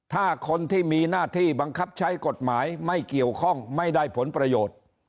ถ้าคนที่มีหน้าที่บังคับใช้กฎหมายไม่เกี่ยวข้องไม่ได้ผลประโยชน์